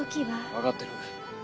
分かってる。